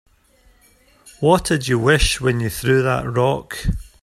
What'd you wish when you threw that rock?